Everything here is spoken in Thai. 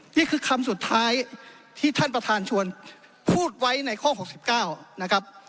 นี่คือคำสุดท้ายที่ท่านประธานชวนพูดไว้ในข้อ๖๙นะครับ